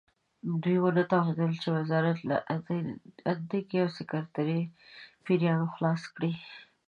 دوی ونه توانېدل چې وزارت له اتنیکي او سکتریستي پیریانو خلاص کړي.